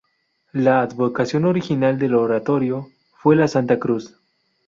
La advocación original del oratorio fue la Santa Cruz.